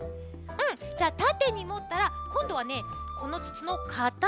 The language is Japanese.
じゃあたてにもったらこんどはねこのつつのかた